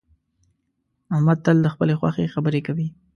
احمد تل د خپلې خوښې خبرې کوي